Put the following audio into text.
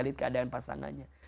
lihat keadaan pasangannya